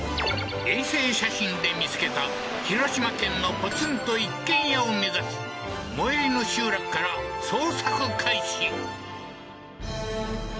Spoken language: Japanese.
衛星写真で見つけた広島県のポツンと一軒家を目指し最寄りの集落から捜索開始